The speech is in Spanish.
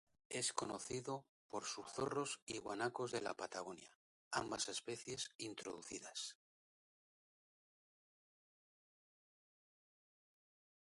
Es conocido por sus zorros y guanacos de la Patagonia, ambas especies introducidas.